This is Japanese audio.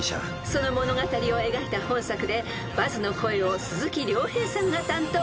［その物語を描いた本作でバズの声を鈴木亮平さんが担当］